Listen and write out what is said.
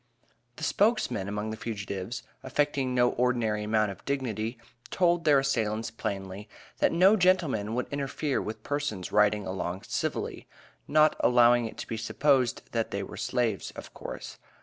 The spokesman amongst the fugitives, affecting no ordinary amount of dignity, told their assailants plainly, that "no gentleman would interfere with persons riding along civilly" not allowing it to be supposed that they were slaves, of course.